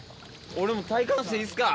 俺も体感していいっすか。